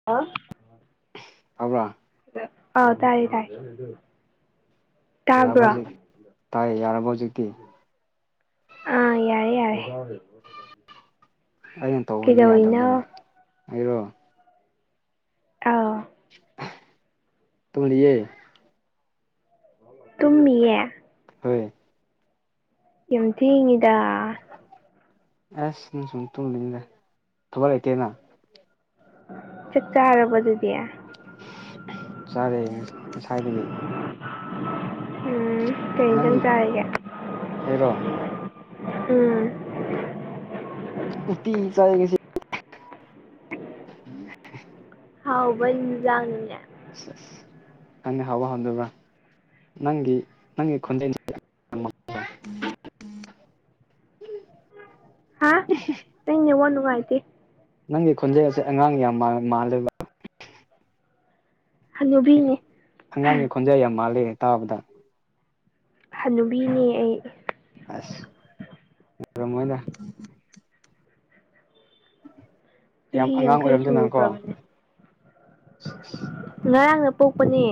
[unintelligible] ꯇꯥꯕ꯭ꯔꯥ ꯑ ꯇꯥꯏꯌꯦ ꯇꯥꯏ ꯌꯥꯔꯕ ꯍꯧꯖꯤꯛ ꯇꯥꯏ ꯌꯥꯔꯕ ꯍꯧꯖꯤꯛꯇꯤ ꯑꯥ ꯌꯥꯔꯦ ꯌꯥꯔꯦ ꯑꯩꯅ ꯇꯧꯕꯗꯤ ꯀꯩꯗꯧꯔꯤꯅꯣ ꯌꯥꯗꯕꯅꯤꯅꯦ ꯑꯩꯔꯣ ꯑꯥꯎ ꯄꯨꯟꯂꯤꯌꯦ ꯇꯨꯝꯃꯤꯌꯦ ꯍꯣꯏ ꯌꯥꯝ ꯊꯦꯡꯉꯤꯗ ꯑꯁ [unintelligible] ꯁꯨꯝ ꯇꯨꯝꯃꯤꯅ ꯊꯕꯛ ꯂꯩꯇꯦꯅ ꯆꯥꯛ ꯆꯥꯔꯕꯣ ꯑꯗꯨꯗꯤ ꯆꯥꯔꯦ ꯉꯁꯥꯏꯗꯒꯤ ꯎꯝ ꯀꯩ ꯏꯟꯖꯥꯟꯡ ꯅꯪꯒꯤ ꯆꯥꯔꯒꯦ ꯑꯩꯔꯣ ꯎꯝ ꯎꯠꯇꯤ ꯆꯥꯏ ꯉꯁꯤ [unintelligible] ꯍꯥꯎꯕ ꯍꯤꯟꯁꯥꯟꯅꯤꯅꯦ [unintelligible] ꯈꯪꯗꯦ ꯍꯥꯎꯕ ꯍꯥꯎꯗꯕ꯭ꯔꯥ ꯅꯪꯒꯤ ꯅꯪꯒꯤ ꯈꯣꯟꯖꯦꯜ [unintelligible] ꯍꯥ [unintelligible] ꯅꯪ ꯅꯦꯠꯋꯥꯛ ꯅꯨꯡꯉꯥꯏꯇꯦ ꯅꯪꯒꯤ ꯈꯣꯟꯖꯦꯁꯦ ꯑꯉꯥꯡ ꯌꯥꯝ ꯃꯥꯜ ꯃꯥꯜꯂꯦꯕ ꯍꯅꯨꯕꯤꯅꯦ ꯑꯉꯥꯡꯒꯤ ꯈꯣꯟꯖꯦꯜ ꯌꯥꯝ ꯃꯥꯜꯂꯦꯅꯦ ꯇꯥꯕꯗ ꯍꯅꯨꯕꯤꯅꯦ ꯑꯩ ꯑꯁ ꯑꯣꯏꯔꯝꯃꯣꯏꯗ ꯌꯥꯝ ꯆꯍꯤ ꯑꯉꯥꯡ ꯌꯥꯡꯈꯩ ꯑꯣꯏꯔꯝꯗꯅꯀꯣ ꯁꯨꯨꯈ꯭ꯔꯕꯅꯦ ꯉꯔꯥꯡꯗ ꯄꯣꯛꯄꯅꯦ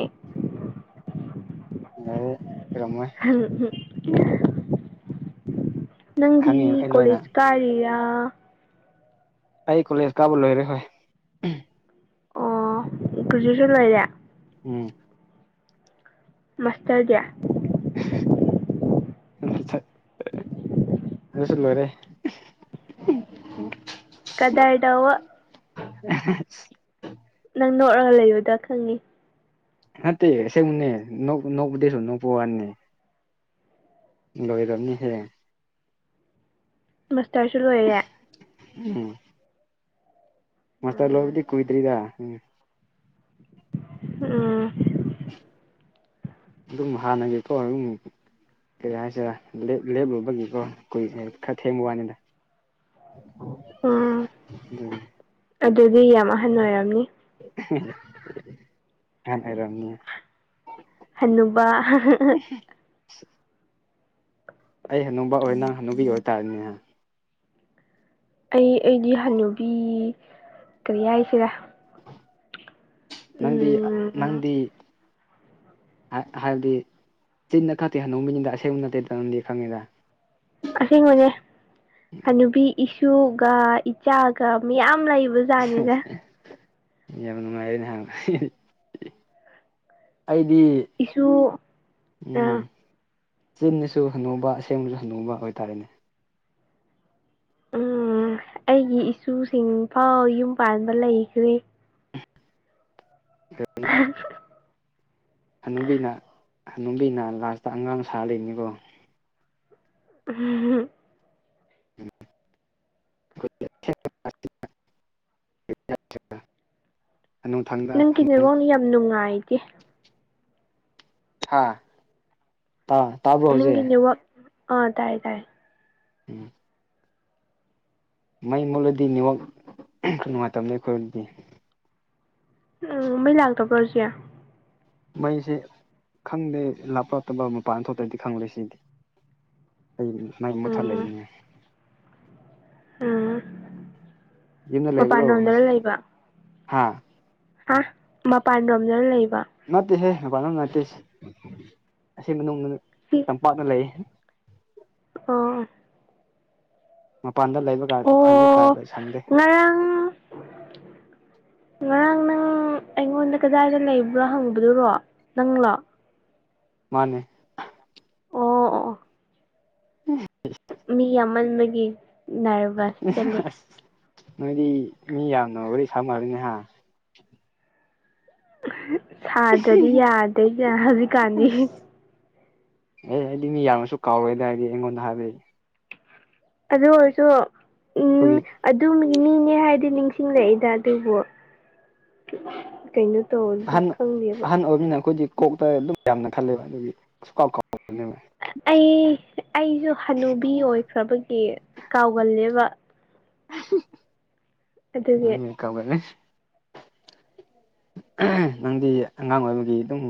ꯌꯥꯔꯦ ꯑꯣꯏꯔꯝꯃꯣꯏ ꯎꯝ ꯎ [unintelligible] ꯅꯪꯗꯤ ꯈꯪꯉꯦ ꯑꯩ ꯂꯣꯏꯅ ꯀꯣꯂꯦꯖ ꯀꯥꯔꯤꯔꯥ? ꯑꯩ ꯀꯣꯂꯦꯖ ꯀꯥꯕ ꯂꯣꯏꯔꯦ ꯍꯣꯏ꯫ ꯑꯣ ꯒ꯭ꯔꯥꯗꯨꯁꯟ ꯂꯣꯏꯔꯦ꯫ ꯎꯝ ꯃꯥꯁꯇꯔꯗꯤ ꯑ [unintelligible] ꯑꯗꯨꯁꯨ ꯂꯣꯏꯔꯦ [unintelligible] [unintelligible] ꯀꯗꯔ ꯇꯧꯕ [unintelligible] ꯅꯪ ꯅꯣꯛꯔꯒ ꯂꯩꯕꯗꯣ ꯈꯪꯉꯤ꯫ ꯅꯠꯇꯦ ꯑꯁꯦꯡꯕꯅꯦ ꯅꯣꯛ ꯅꯣꯛꯄꯗꯤ ꯁꯨꯝ ꯅꯣꯛꯄꯋꯥꯅꯦ꯫ ꯂꯣꯏꯔꯝꯅꯤ ꯍꯦ꯫ ꯃꯁꯇꯔꯁꯨ ꯂꯣꯏꯔꯦ꯫ ꯎꯝ ꯃꯥꯁꯇꯔ ꯎꯝ ꯂꯣꯏꯕꯗꯤ ꯀꯨꯏꯗ꯭ꯔꯤꯗ ꯎꯝ꯫ ꯎꯝ ꯑꯗꯨꯝ ꯍꯥꯟꯅꯒꯤ [unintelligible] ꯀꯩ ꯍꯥꯏꯁꯤꯔꯥ ꯂꯦꯞ ꯂꯦꯞꯂꯨꯕꯒꯤꯀꯣ ꯀꯨꯏ ꯈꯔ ꯊꯦꯡꯕ ꯋꯥꯅꯤꯗ꯫ ꯎꯝ ꯑꯗꯨꯝ ꯑꯗꯨꯗꯤ ꯌꯥꯝ ꯑꯍꯟ ꯑꯣꯏꯔꯝꯅꯤ꯫ [unintelligible] ꯑꯍꯥꯟ ꯑꯣꯏꯔꯝꯅꯤ꯫ ꯍꯥꯅꯨꯕ [unintelligible] ꯑꯩ ꯍꯥꯅꯨꯕ ꯑꯣꯏ ꯅꯪ ꯍꯥꯅꯨꯕꯤ ꯑꯣꯏꯇꯥꯔꯦꯅꯦꯍ ꯑꯩ ꯑꯩꯗꯤ ꯍꯥꯅꯨꯕꯤ ꯀꯔꯤ ꯍꯥꯏꯁꯤꯔꯥ꯫ ꯅꯪꯗꯤ ꯎꯝ ꯅꯪꯗꯤ ꯍꯥꯏꯕꯗꯤ ꯆꯤꯟꯗ ꯈꯛꯇꯦ ꯍꯥꯅꯨꯕꯤ ꯃꯤꯅꯤꯗ ꯑꯁꯦꯡꯕ ꯅꯠꯇꯦꯗ ꯅꯪꯗꯤ ꯈꯪꯉꯦꯗ꯫ ꯑꯁꯦꯡꯕꯅꯦ ꯍꯅꯨꯕꯤ ꯏꯁꯨꯒ ꯏ ꯏꯆꯥꯒ ꯃꯤꯌꯥꯝ ꯂꯩꯕꯖꯥꯠꯅꯤꯗ ꯌꯥꯝ ꯅꯨꯡꯉꯥꯏꯔꯦꯅꯦꯍꯥ [unintelligible] ꯑꯩꯗꯤ ꯏꯁꯨ ꯎꯝ ꯑꯥ ꯆꯤꯟꯗꯁꯨ ꯍꯥꯅꯨꯕ ꯑꯁꯦꯡꯕꯁꯨ ꯍꯥꯅꯨꯕ ꯑꯣꯏꯇꯥꯔꯦꯅꯦ ꯎꯝ ꯑꯩꯒꯤ ꯏꯁꯨꯁꯤꯡꯐꯥꯎ ꯌꯨꯝ ꯄꯥꯟꯕ ꯂꯩꯈ꯭ꯔꯦ꯫ [unintelligible] [unintelligible] ꯍꯅꯨꯕꯤꯅ ꯍꯅꯨꯕꯤꯅ ꯂꯥꯁꯇ ꯑꯉꯥꯡ ꯁꯥꯔ ꯂꯩꯅꯤꯀꯣ [unintelligible] [unintelligible] ꯅꯨꯡꯊꯪꯗ ꯅꯪꯀꯤ ꯅꯦꯋꯣ ꯌꯥꯝ ꯅꯨꯡꯉꯥꯏꯇꯦ ꯍꯥꯥ ꯇꯥ ꯅꯪꯒꯤ ꯅꯦꯋꯥꯛ ꯑꯥ ꯇꯥꯏꯌꯦ ꯇꯥꯏꯌꯦ ꯎꯝ ꯃꯩ ꯃꯨꯠꯂꯗꯤ ꯅꯦꯋꯥꯛ ꯅꯨꯡꯉꯥꯏꯇꯕꯅꯤ ꯑꯩꯈꯣꯏꯔꯣꯝꯗꯗꯤ ꯎꯝ ꯃꯩ ꯂꯥꯛꯇꯕ꯭ꯔꯣ ꯍꯧꯖꯤꯛ꯫ ꯃꯩꯁꯦ ꯈꯪꯗꯦ ꯂꯥꯞꯄ ꯂꯥꯞꯇꯕ ꯃꯄꯥꯟ ꯊꯣꯛꯇ꯭ꯔꯗꯤ ꯈꯪꯗꯦ ꯁꯤꯗꯤ ꯑꯩ ꯃꯩ ꯃꯨꯊꯠ ꯎꯝ ꯂꯩꯅꯤꯉꯥꯏ꯫ ꯎꯝ ꯃꯄꯥꯟ ꯂꯣꯝꯗꯔꯥ ꯂꯩꯕ ꯍꯥꯥ ꯍꯥ ꯃꯄꯥꯟ ꯔꯣꯝꯗ ꯂꯩꯕ ꯅꯠꯇꯦꯍꯦ ꯃꯄꯥꯟ ꯂꯝ ꯅꯠꯇꯦ ꯏꯁ ꯑꯁꯤ ꯃꯅꯨꯡ ꯁꯤ ꯇꯝꯄꯥꯛꯇꯥ ꯂꯩꯌꯦ ꯑꯣ ꯃꯄꯥꯟꯗ ꯂꯩꯕꯒ ꯍꯧꯖꯤꯛ ꯀꯥꯗꯣ ꯑꯣ ꯑꯩ ꯁꯪꯗꯦ ꯉꯔꯥꯡ [unintelligible] ꯉꯔꯥꯡ ꯅꯪ ꯑꯩꯉꯣꯟꯗ ꯀꯗꯥꯏꯗ ꯂꯩꯕ꯭ꯔꯣ ꯍꯪꯕꯗꯨꯔꯣ ꯅꯪꯂꯣ ꯃꯥꯅꯦ ꯑꯣ ꯑꯣ ꯑꯣ [unintelligible] ꯃꯤ ꯌꯥꯝꯃꯟꯕꯒꯤ ꯅꯔꯚꯁ ꯆꯠꯂꯦ ꯑꯁ ꯅꯣꯏꯗꯤ ꯃꯤ ꯌꯥꯝꯅ ꯋꯥꯔꯤ ꯁꯥꯃꯥꯟꯂꯤꯅꯦꯍꯥ ꯁꯥꯗ꯭ꯔꯥꯗꯤ ꯌꯥꯗꯦꯗ ꯍꯧꯖꯤꯛꯀꯥꯟꯗꯤ ꯑꯦ ꯑꯩꯗꯤ ꯃꯤ ꯌꯥꯝꯃꯁꯨ ꯀꯥꯎꯔꯣꯏꯗꯥ ꯍꯥꯏꯗꯤ ꯑꯩꯉꯣꯟꯗ ꯍꯥꯏꯕꯩ ꯑꯗꯨ ꯑꯣꯏꯔꯁꯨ ꯑꯩꯈꯣꯏꯒꯤ ꯑꯗꯨ ꯃꯤꯅꯤꯅꯦ ꯍꯥꯏꯗꯤ ꯅꯤꯡꯁꯤꯡꯂꯛꯏꯗ ꯑꯗꯨꯕꯨ ꯀꯩꯅꯣ ꯇꯧꯔꯗꯤ ꯑꯍꯟ ꯈꯪꯗꯦꯕ ꯑꯍꯟ ꯑꯣꯏꯕꯅꯤꯅ ꯑꯩꯈꯣꯏꯗꯤ ꯀꯣꯛꯇꯥ ꯑꯗꯨꯝ ꯌꯥꯝꯅ ꯈꯜꯂꯦꯕ ꯑꯗꯨꯒꯤ ꯁꯨꯡꯀꯥꯎ ꯀꯥꯎ ꯑꯩ ꯑꯩꯁꯨ ꯍꯅꯨꯕꯤ ꯑꯣꯏꯈ꯭ꯔꯕꯒꯤ ꯀꯥꯎꯒꯜꯂꯦꯕ ꯑꯗꯨꯒꯤ [unintelligible] ꯀꯥꯎꯒꯜꯂꯦ ꯅꯪꯗꯤ ꯑꯉꯥꯡ ꯑꯣꯏꯕꯒꯤ ꯑꯗꯨꯝ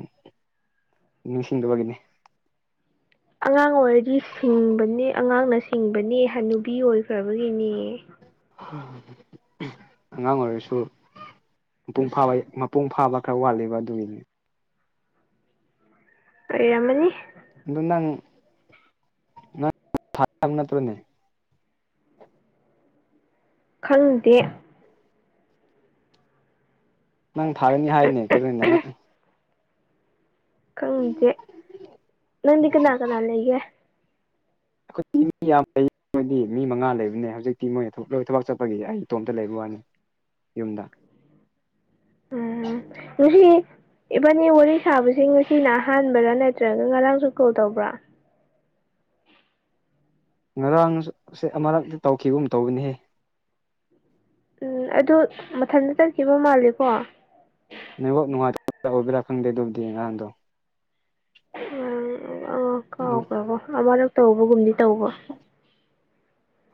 ꯅꯤꯡꯁꯤꯡꯗꯕꯒꯤꯅꯤ ꯑꯉꯥꯡ ꯑꯣꯏꯔꯗꯤ ꯁꯤꯡꯕꯅꯦ ꯑꯉꯥꯡꯅ ꯁꯤꯡꯕꯅꯦ ꯍꯅꯨꯕꯤ ꯑꯣꯏꯈ꯭ꯔꯕꯒꯤꯅꯦ ꯑꯉꯥꯡ ꯑꯣꯏꯔꯁꯨ ꯃꯄꯨꯡ ꯐꯥꯕ ꯃꯄꯨꯡ ꯐꯥꯕ ꯈꯔ ꯋꯥꯠꯂꯤꯕ ꯑꯗꯨꯒꯤꯅꯤ ꯀꯩꯔꯝꯃꯅꯤ ꯑꯗꯨ ꯅꯪ ꯅꯪ [unintelligible] ꯈꯪꯗꯦ ꯅꯪ ꯊꯥꯔꯅꯤ ꯍꯥꯏꯅꯦ [unintelligible] ꯈꯪꯗꯦ ꯅꯪꯗꯤ ꯀꯅꯥ ꯀꯅꯥ ꯂꯩꯒꯦ ꯑꯈꯣꯏꯗꯤ ꯃꯤ ꯌꯥꯝ ꯂꯩ ꯃꯣꯏꯗꯤ ꯃꯤ ꯃꯉꯥ ꯂꯩꯕꯅꯦ ꯍꯧꯖꯤꯛꯇꯤ ꯃꯣꯏ ꯂꯣꯏ ꯊꯕꯛ ꯆꯠꯄꯒꯤ ꯑꯩ ꯏꯇꯣꯝꯇꯥ ꯂꯩꯕ ꯋꯥꯅꯤ ꯌꯨꯝꯗ ꯎꯝ ꯉꯁꯤ ꯏꯕꯥꯅꯤ ꯋꯥꯔꯤ ꯁꯥꯕꯁꯦ ꯉꯁꯤꯅ ꯑꯍꯥꯟꯕꯔꯥ ꯅꯠꯇ꯭ꯔꯒ ꯉꯔꯥꯡꯁꯨ ꯀꯣꯜ ꯇꯧꯕ꯭ꯔꯥ ꯉꯔꯥꯡꯁꯦ ꯑꯃꯔꯛꯇꯥ ꯇꯧꯈꯤꯒꯨꯝ ꯇꯧꯕꯅꯤꯍꯦ ꯎꯝ ꯑꯗꯨ ꯃꯊꯟꯇꯥ ꯆꯠꯈꯤꯕ ꯃꯥꯜꯂꯤꯀꯣ ꯅꯦꯋꯥꯛ ꯅꯨꯡꯉꯥꯏꯇ [unintelligible] ꯑꯣꯏꯕ꯭ꯔꯥ ꯈꯪꯗꯦ ꯗꯨꯕꯨꯗꯤ ꯉꯔꯥꯡꯗꯣ ꯎꯝ ꯑꯥ ꯑꯗꯨꯝ ꯀꯥꯎꯒ꯭ꯔꯕꯣ ꯑꯃꯔꯛ ꯇꯧꯕꯒꯨꯝꯗꯤ ꯇꯧꯕ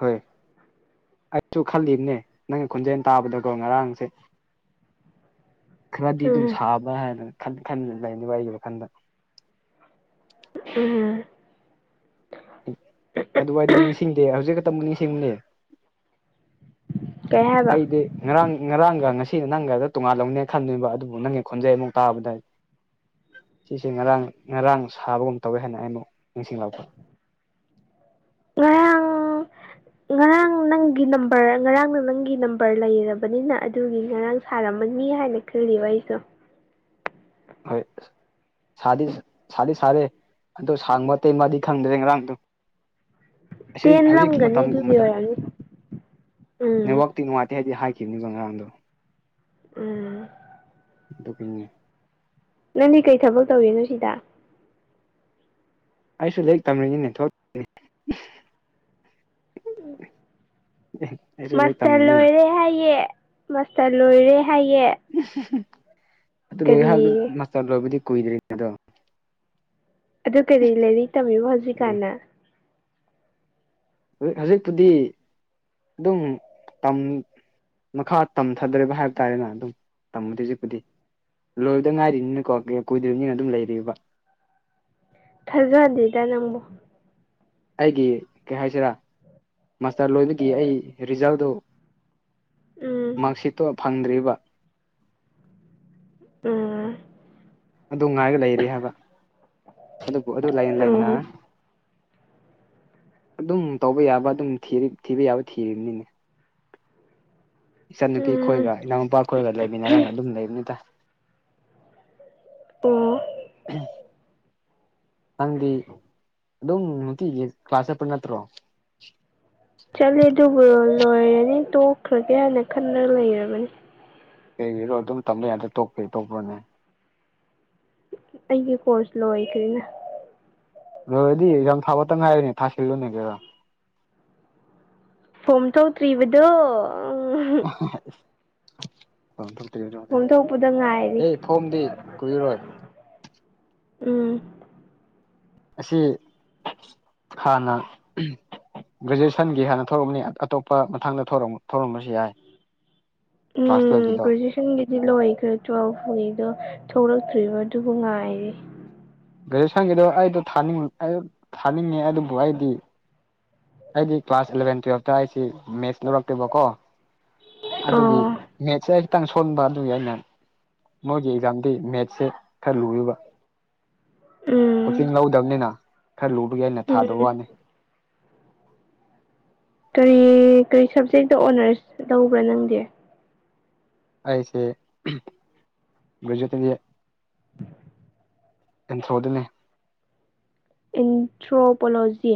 ꯍꯣꯏ ꯑꯩꯁꯨ ꯈꯜꯂꯤꯕꯅꯦ ꯅꯪꯒꯤ ꯈꯣꯟꯖꯦꯜ ꯇꯥꯕꯗꯀꯣ ꯉꯔꯥꯡꯁꯦ [inaudible] ꯈꯔꯗꯤ ꯑꯗꯨꯝ ꯎꯝ ꯁꯥꯕ ꯍꯥꯏꯅ ꯈꯟ ꯈꯟ ꯂꯩꯅꯤ ꯋꯥꯔꯤꯒꯤ ꯋꯥꯈꯜꯗ ꯎꯝ ꯑꯗꯨꯋꯥꯏꯗꯤ ꯅꯤꯡꯁꯤꯡꯗꯦ ꯍꯧꯖꯤꯛ ꯈꯛꯇꯥꯃꯨꯛ ꯅꯤꯡꯁꯤꯡꯕꯅꯦ ꯀꯩ ꯍꯥꯏꯕ ꯑꯩꯗꯤ ꯉꯔꯥꯡ ꯉꯔꯥꯡꯒ ꯉꯁꯤ ꯅꯪꯒꯗ ꯇꯣꯉꯥꯟ ꯂꯧꯅꯦ ꯈꯟꯗꯣꯏꯕ ꯑꯗꯨꯕꯨ ꯅꯪꯒꯤ ꯈꯣꯟꯖꯦꯟ ꯑꯃꯨꯛ ꯇꯥꯕꯗꯗꯤ ꯁꯤꯁꯦ ꯉꯔꯥꯡ ꯉꯔꯥꯡ ꯁꯥꯕꯒꯨꯝ ꯇꯧꯋꯦ ꯍꯥꯏꯅ ꯑꯩ ꯑꯃꯨꯛ ꯅꯤꯡꯁꯤꯡꯂꯛꯄ ꯉꯔꯥꯡ ꯉꯔꯥꯡ ꯅ ꯅꯪꯒꯤ ꯅꯝꯕꯔ ꯉꯔꯥꯡꯅ ꯅꯪꯒꯤ ꯅꯝꯕꯔ ꯂꯩꯔꯕꯅꯤꯅ ꯑꯗꯨꯒꯤ ꯉꯔꯥꯡ ꯁꯥꯔꯝꯃꯅꯤ ꯍꯥꯏꯅ ꯀꯔꯤ [unintelligible] ꯍꯣꯏ ꯁꯥꯗꯤ ꯁꯥꯗꯤ ꯁꯥꯔꯦ ꯑꯗꯣ ꯁꯥꯡꯕ ꯇꯦꯟꯕꯗꯤ ꯈꯪꯗ꯭ꯔꯦ ꯉꯔꯥꯡꯗꯣ ꯑꯁꯤ ꯍꯧꯖꯤꯛꯀꯤ ꯇꯦꯟꯂꯝꯒꯅꯤ ꯑꯗꯨꯒꯤ ꯃꯇꯝꯒꯨꯝꯕꯗ ꯑꯣꯏꯔꯝꯅꯤ ꯎꯝ ꯅꯦꯠꯋꯥꯛ ꯇꯤ ꯅꯨꯡꯥꯏꯇꯦ ꯍꯥꯏꯗꯤ ꯍꯥꯏꯈꯤꯝꯅꯤꯕ ꯉꯔꯥꯡꯗꯣ ꯎꯝ ꯑꯗꯨꯒꯤꯅ‌ꯦ ꯅꯪꯗꯤ ꯀꯩ ꯊꯕꯛ ꯇꯧꯔꯤꯅꯣ ꯁꯤꯗ ꯑꯩꯁꯨ ꯂꯩꯔꯤꯛ ꯇꯝꯔꯤꯅꯤꯅꯦ ꯊꯣꯛ [inaudible] ꯎꯝ [unintelligible] ꯃꯥꯁꯇꯔ ꯇꯝꯔꯤꯅꯦ ꯂꯣꯏꯔꯦ ꯍꯥꯏꯌꯦ ꯃꯥꯁꯇꯔ ꯂꯣꯏꯔꯦ ꯍꯥꯏꯌꯦ ꯑꯗꯨ ꯂꯣꯏꯍꯥꯏꯗꯨ ꯀꯔꯤ ꯃꯥꯁꯇꯔ ꯂꯣꯏꯕꯗꯤ ꯀꯨꯏꯗ꯭ꯔꯤ [unintelligible] ꯑꯗꯣ ꯑꯗꯨ ꯀꯔꯤ ꯂꯩꯔꯤꯛ ꯇꯝꯃꯤꯕ ꯑꯗꯣ ꯍꯧꯖꯤꯛꯀꯥꯟꯅ ꯍ ꯍꯧꯖꯤꯛꯄꯨꯗꯤ ꯑꯗꯨꯝ ꯇꯝ ꯃꯈꯥ ꯇꯝꯊꯗ꯭ꯔꯦꯕ ꯍꯥꯏꯕ ꯇꯥꯔꯦꯅ ꯑꯗꯨꯝ ꯇꯝꯃꯗꯤ ꯍꯧꯖꯤꯛꯄꯨꯗꯤ ꯂꯣꯏꯕꯗ ꯉꯥꯏꯔꯤꯅꯤꯝꯅꯀꯣ ꯀꯨꯏꯗ꯭ꯔꯤꯝꯅꯤꯅ ꯑꯗꯨꯝ ꯂꯩꯔꯤꯕ ꯊꯖꯥꯗꯦꯗ ꯅꯪꯕꯨ ꯑꯩꯒꯤ ꯀꯩ ꯍꯥꯏꯁꯤꯔꯥ ꯃꯥꯁꯇꯔ ꯂꯣꯏꯕꯒꯤ ꯑꯩ ꯔꯤꯖꯜꯗꯣ ꯎꯝ ꯃꯥꯛꯁꯤꯠꯇꯣ ꯐꯪꯗ꯭ꯔꯤꯕ ꯎꯝ ꯑꯗꯨ ꯉꯥꯏꯒ ꯂꯩꯔꯤ ꯍꯥꯏꯕ ꯑꯗꯨꯕꯨ ꯑꯗꯨ ꯂꯩꯅ ꯂꯩꯅ ꯎꯝ ꯑꯗꯨꯝ ꯇꯧꯕ ꯌꯥꯕ ꯑꯗꯨꯝ ꯊꯤ ꯊꯤꯕ ꯌꯥꯕ ꯊꯤꯔꯤꯝꯅꯤꯅꯦ [inaudible] ꯏꯆꯟꯅꯨꯄꯤ ꯎꯝ ꯈꯣꯏꯒ ꯏꯅꯥꯎꯅꯨꯄꯥ ꯈꯣꯏꯒ ꯂꯩꯃꯤꯟꯅꯔꯒ ꯑꯗꯨꯝ ꯂꯩꯕꯅꯤꯗ ꯑꯣ [unintelligible] ꯅꯪꯗꯤ ꯑꯗꯨꯝ ꯅꯨꯡꯇꯤꯒꯤ ꯀ꯭ꯂꯥꯁ ꯆꯠꯄ ꯅꯠꯇ꯭ꯔꯣ ꯆꯠꯂꯦ ꯑꯗꯨꯕꯨ ꯂꯣꯏꯔꯅꯤ ꯇꯣꯛꯈ꯭ꯔꯒꯦ ꯍꯥꯏꯅ ꯈꯟꯂ ꯂꯩꯔꯕꯅꯤ ꯀꯩꯒꯤꯔꯣ ꯑꯗꯨꯝ ꯇꯝꯕ ꯌꯥꯗ꯭ꯔ‌ꯣ ꯇꯣꯛꯄꯩ ꯇꯣꯛꯄ꯭ꯔꯣꯅꯦ ꯑꯩꯒꯤ ꯀꯣꯔꯁ ꯂꯣꯏꯈ꯭ꯔꯦꯅ ꯂꯣꯏꯔꯗꯤ ꯑꯦꯛꯖꯥꯝ ꯊꯥꯕꯇ ꯉꯥꯏꯔꯦꯅꯦ ꯊꯥ ꯁꯤꯜꯂꯨꯅꯦ ꯒꯩꯔꯥ ꯐꯣꯝ ꯊ‌ꯣꯛꯇ꯭ꯔꯤꯕꯗꯣ [unintelligible] ꯐꯣꯝ ꯊꯣꯛꯄꯗ ꯉꯥꯏꯔꯤ ꯑꯦ ꯐꯣꯝꯗꯤ ꯀꯨꯏꯔꯣꯏ ꯎꯝ ꯑꯁꯤ ꯍꯥꯟꯅ ꯒ꯭ꯔꯦꯖꯨꯑꯦꯁꯟꯒꯤ ꯍꯥꯟꯅ ꯊ‌ꯣꯔꯝꯅꯤ ꯑꯇꯣꯞꯄ ꯃꯊꯪꯗ ꯊ‌ꯣꯔꯝ ꯊꯣꯔꯝꯕꯁꯨ ꯌꯥꯏ ꯀ꯭ꯂꯥꯁ ꯂ‌ꯣꯏꯒꯤꯗꯣ ꯅꯪꯒꯤꯗꯤ ꯂꯣꯏꯈ꯭ꯔꯗ꯭ꯔ‌ꯣ [unintelligible] ꯗꯣ ꯊꯣꯛꯂꯛꯇ꯭ꯔꯤꯕ ꯑꯗꯨꯕꯨ ꯉꯥꯏꯔꯤ ꯒ꯭ꯔꯦꯖꯨꯌꯦꯁꯟꯒꯤꯗꯣ ꯑꯩꯗꯣ ꯊꯥꯅꯤꯡ ꯑꯩ ꯊꯥꯅꯤꯡꯉꯦ ꯑꯗꯨꯕꯨ ꯑꯩꯗꯤ ꯑꯩꯗꯤ ꯀ꯭ꯂꯥꯁ ꯏꯂꯚꯦꯟ ꯇꯨꯌꯦꯜꯞꯇ ꯑꯩꯁꯤ ꯃꯦꯠꯁ ꯂꯧꯔꯛꯇꯦꯕꯀꯣ ꯑꯗꯨꯒꯤ ꯑꯣ ꯃꯦꯠꯁꯦ ꯑꯩ ꯈꯤꯇꯪ ꯁꯣꯟꯕ ꯑꯗꯨꯒꯤ ꯑꯩꯅ ꯃꯣꯏꯒꯤ ꯑꯦꯛꯖꯥꯝꯗꯤ ꯃꯦꯠꯁꯦ ꯈꯔ ꯂꯨꯏꯕ ꯎꯝ ꯀꯣꯆꯤꯡ ꯂꯧꯗꯕꯅꯤꯅ ꯈꯔ ꯂꯨꯕꯒꯤ ꯑꯩꯅ ꯊꯥꯗꯕ ꯎꯝ ꯋꯥꯅꯤ ꯀꯔꯤ ꯀꯔꯤ ꯁꯕꯖꯦꯛꯇ ꯑꯣꯅꯔꯁ ꯂꯧꯕ꯭ꯔꯥ ꯅꯪꯗꯤ ꯑꯩꯁꯦ ꯒꯔꯦꯖꯨꯋꯦꯠꯇꯗꯤ ꯏꯟꯊ꯭ꯔꯣ ꯑꯗꯨꯅꯦ ꯏꯟꯊ꯭ꯔꯣꯄꯣꯂꯣꯖꯤ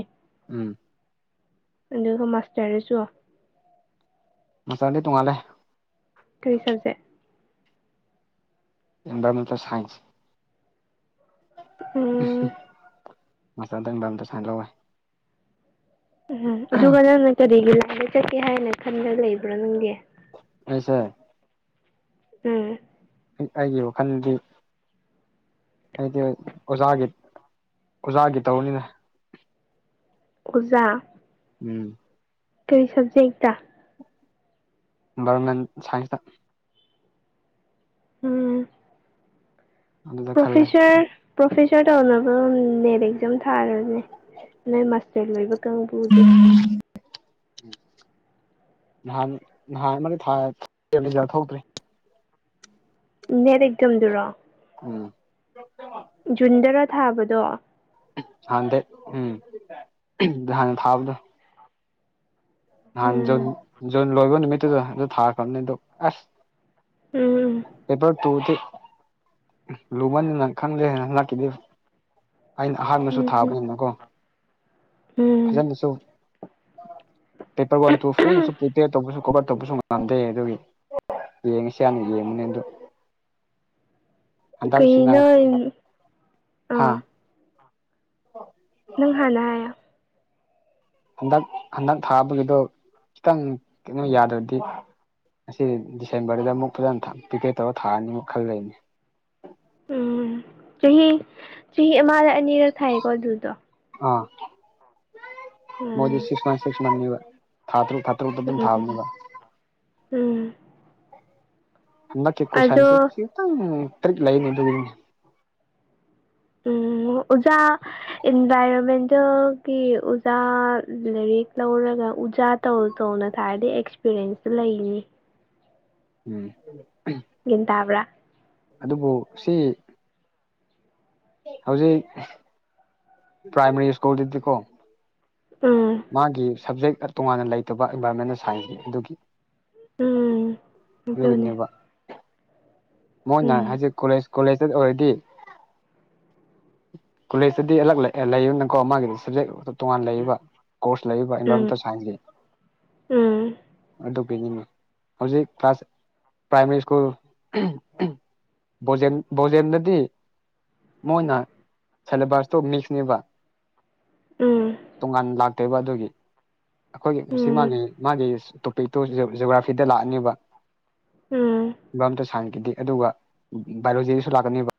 ꯎꯝ ꯑꯗꯨꯒ ꯃꯁꯇꯔꯗꯁꯨ ꯃꯥꯁꯇꯔꯗꯤ ꯇꯣꯡꯉꯥꯂꯦ ꯀꯔꯤ ꯁꯕꯖꯦꯛ ꯑꯦꯟꯚꯥꯏꯔꯣꯃꯦꯟꯇꯦꯟ ꯁꯥꯏꯟꯁ ꯎꯝ ꯃꯥꯁꯇꯔꯗ ꯏꯟꯚꯥꯏꯔꯣꯃꯦꯟꯇꯦꯟ ꯁꯥꯏꯟꯁ ꯂꯧꯋꯦ ꯎꯝ ꯑꯗꯨꯒ ꯅꯪꯅ ꯀꯔꯤꯒꯤ ꯂꯥꯏꯗ ꯆꯠꯀꯦ ꯍꯥꯏꯅ ꯈꯟꯂꯒ ꯂꯩꯕ꯭ꯔꯣ ꯅꯪꯒꯤ ꯑꯩꯁꯦ ꯎꯝ ꯑꯩꯒꯤ ꯋꯥꯈꯜꯗꯤ ꯑꯩꯗꯤ ꯑꯣꯖꯥꯒꯤ ꯑꯣꯖꯥꯒꯤ ꯇꯧꯅꯤꯅ ꯑꯣꯖꯥ ꯎꯝ ꯀꯔꯤ ꯁꯕꯖꯦꯛꯇ ꯏꯟꯚꯥꯏꯔꯣꯟꯃꯦꯟ ꯁꯥꯏꯟꯁꯇ ꯎꯝ ꯑꯗꯨꯗ ꯈꯜꯂꯦ ꯄ꯭ꯔꯣꯐꯦꯁꯔ ꯄ꯭ꯔꯣꯐꯦꯁꯔ ꯇꯧꯅꯕꯔꯥ ꯅꯦꯠ ꯑꯦꯛꯖꯥꯝ ꯊꯥꯔꯗꯤ ꯅꯣꯏ ꯃꯥꯁ ꯇꯔ ꯂꯣꯏꯕ ꯀꯥꯡꯕꯨꯗꯤ ꯅꯍꯥꯟ ꯅꯍꯥꯟ ꯑꯃꯗꯤ ꯊꯥꯔꯦ ꯔꯤꯖꯜ ꯊꯣꯛꯇꯔꯤ ꯅꯦꯠ ꯑꯦꯛꯖꯥꯝꯗꯨꯔꯣ ꯎꯝ ꯖꯨꯟꯗꯔꯥ ꯊꯥꯕꯗꯣ ꯍꯥꯟꯗꯦ ꯎꯝ ꯅꯍꯥꯟꯅ ꯊꯥꯕꯗ ꯅꯍꯥꯟ ꯎꯝ ꯖꯨꯟ ꯖꯨꯟ ꯂꯣꯏꯕꯣ ꯅꯨꯃꯤꯠꯇꯨꯗ ꯑꯗ ꯊꯥꯈꯔꯕꯅꯦ ꯑꯗꯣ ꯑꯁ ꯎꯝ [unintelligible] ꯇꯨꯇꯤ ꯂꯨꯕꯟꯅꯤꯅꯪ ꯈꯪꯗꯦ ꯂꯛꯈꯤꯗꯦ ꯑꯩꯅ ꯑꯍꯥꯟꯕꯁꯨ ꯎꯝ ꯊꯥꯕꯅꯤꯅꯀꯣ ꯎꯝ ꯐꯖꯅꯁꯨ ꯄꯦꯄꯔ ꯋꯥꯟ ꯇꯨ ꯐꯣꯔꯅꯁꯨ ꯄ꯭ꯔꯤꯄꯦꯌꯔ ꯇꯧꯕꯁꯨ ꯀꯕꯔ ꯇꯧꯕꯁꯨ ꯉꯝꯗꯦ ꯑꯗꯨꯒꯤ ꯌꯦꯡꯉꯁꯌꯥꯅꯤ ꯌꯦꯡꯉꯅꯤ ꯑꯗꯨ [inaudible] ꯍꯟꯗꯛꯁꯤꯅ ꯀꯩꯅꯣ ꯑꯥ ꯍꯥꯥ ꯅꯪ ꯍꯥꯟꯅ ꯍꯥꯏꯌꯣ ꯍꯟꯗꯛ ꯍꯟꯗꯛ ꯊꯥꯕꯒꯤꯗꯣ ꯈꯤꯇꯪ ꯀꯩꯅꯣ ꯌꯥꯗ꯭ꯔꯗꯤ ꯑꯁꯤ ꯗꯤꯁꯦꯝꯕꯔꯗ ꯑꯃꯨꯛ ꯐꯖꯅ ꯊꯥ ꯄꯤꯄꯤꯔ ꯇꯧꯔ ꯊꯥꯑꯅꯤ ꯑꯃꯨꯛ ꯈꯜ ꯂꯩꯅꯤ ꯎꯝ ꯆꯍꯤ ꯆꯍꯤ ꯑꯃꯗ ꯑꯅꯤꯔꯛ ꯊꯥꯏꯌꯦꯀꯣ ꯑꯗꯨꯗꯣ ꯑꯥ ꯎꯝ ꯃꯣꯏꯗꯤ ꯁꯤꯛꯁ ꯃꯟ ꯁꯤꯛꯁ ꯃꯟ ꯅꯦꯕ ꯊꯥ ꯇꯔꯨꯛ ꯊꯥ ꯇꯔꯨꯛꯇ ꯑꯗꯨꯝ ꯎꯝ ꯊꯥꯕꯅꯦꯕ ꯎꯝ ꯍꯟꯗꯛꯀꯤ ꯑꯗꯣ ꯀꯣꯏꯁꯟꯁꯤ ꯈꯤꯇꯪ ꯇ꯭ꯔꯤꯛ ꯂꯩꯅꯤ ꯑꯗꯨꯒꯤꯅꯦ ꯎꯝ ꯑꯣꯖꯥ ꯏꯟꯚꯥꯏꯔꯣꯟꯃꯦꯟꯇꯦꯜꯒꯤ ꯑꯣꯖꯥ ꯂꯥꯏꯔꯤꯛ ꯂꯧꯔꯒ ꯑꯣꯖꯥ ꯇꯧ ꯇꯧꯅ ꯊꯥꯔꯗꯤ ꯑꯦꯛꯁꯄꯤꯔꯦꯟꯁꯇꯨ ꯂꯩꯅꯤ ꯎꯝ ꯒꯤꯟ ꯇꯥꯕ꯭ꯔꯥ ꯑꯗꯨꯕꯨ ꯁꯤ ꯍꯧꯖꯤꯛ ꯄ꯭ꯔꯥꯏꯃꯥꯔꯤ ꯁ꯭ꯀꯨꯜꯗꯗꯤꯀꯣ ꯎꯝ ꯃꯥꯒꯤ ꯁꯕꯖꯦꯛ ꯇꯣꯉꯥꯟꯅ ꯂꯩꯇꯕ ꯏꯟꯚꯥꯏꯔꯣꯟꯃꯦꯟ ꯁꯥꯏꯟꯁꯅꯤ ꯑꯗꯨꯒꯤ ꯎꯝ ꯑꯗꯨꯅꯦ ꯗꯨꯒꯤꯅꯦꯕ ꯃꯣꯏꯅ ꯎꯝ ꯍꯥꯏꯖꯤ ꯀꯣꯂꯦꯖ ꯀꯣꯂꯦꯖꯇ ꯑꯣꯏꯔꯗꯤ ꯀꯣꯂꯦꯖꯇꯗꯤ ꯑꯂꯛ ꯂꯩꯌꯦꯅꯀꯣ ꯃꯥꯒꯤꯗꯤ ꯁꯕꯖꯦꯛ ꯇꯣꯉꯥꯟ ꯂꯩꯌꯦꯕ ꯀꯣꯔꯁ ꯂꯩꯌꯦꯕ ꯎꯝ ꯑꯦꯟꯚꯥꯏꯔꯣꯟꯃꯦꯟꯇꯦꯜ ꯁꯥꯏꯟꯁꯀꯤ ꯎꯝ ꯑꯗꯨꯒꯤꯅꯤꯅꯦ ꯍꯧꯖꯤꯛ ꯀ꯭ꯂꯥꯁ ꯄ꯭ꯔꯥꯏꯃꯥꯔꯤ ꯁ꯭ꯀꯨꯜ ꯕꯣꯖꯦꯟ ꯕꯣꯖꯦꯟꯗꯗꯤ ꯃꯣꯏꯅ ꯁꯦꯂꯦꯕꯁꯇꯣ ꯃꯤꯛꯁꯅꯦꯕ ꯎꯝ ꯇꯣꯉꯥꯟ ꯂꯥꯛꯇꯦꯕ ꯑꯗꯨꯒꯤ ꯑꯈꯣꯏꯒꯤ ꯁꯤ ꯎꯝ ꯃꯥꯒꯤ ꯃꯥꯒꯤ ꯇꯣꯄꯤꯛꯇꯨ ꯖꯤꯑꯣ ꯖꯤꯑꯣꯒ꯭ꯔꯥꯐꯤꯗ ꯂꯥꯛꯑꯅꯤꯕ ꯎꯝ ꯏꯟꯚꯥꯏꯔꯣꯟꯃꯦꯟꯇꯦꯜ ꯁꯥꯏꯟꯁꯀꯤꯗꯤ ꯑꯗꯨꯒ ꯕꯥꯏꯑꯣꯂꯣꯖꯤꯗꯁꯨ ꯂꯥꯛꯀꯅꯦꯕ